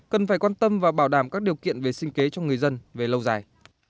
cần phải quan tâm và bảo đảm các điều kiện về sinh kế cho người dân về lâu dài